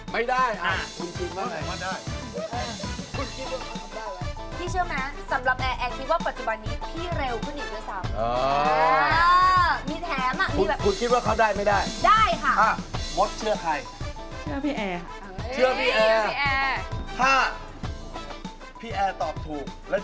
พี่แต่คิดว่าได้หรือไม่ได้๑วินาที๒ชิ้นยากไม่ได้